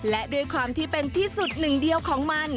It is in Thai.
และด้วยความที่เป็นที่สุดหนึ่งเดียวของมัน